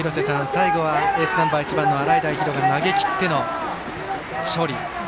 最後はエースナンバー１番の洗平比呂が投げきっての勝利。